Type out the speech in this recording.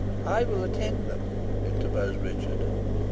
"I will attend them," interposed Richard.